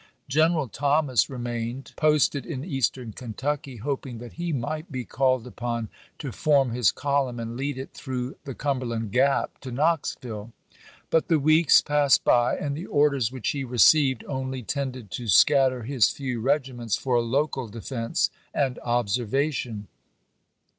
General Thomas remained posted in Eastern Kentucky, hoping that he might be called upon to form his column and lead it through the Cumberland Gap to Knoxville; but the weeks 116 ABKAHAM LINCOLN CHAP. VII. passed by, and the orders which he received only tended to scatter his few regiments for local de fense and observation.